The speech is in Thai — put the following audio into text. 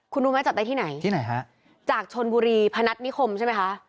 คุณรู้ไหมจับได้ที่ไหนที่ไหนฮะจากชนบุรีพนัฐนิคมใช่ไหมคะ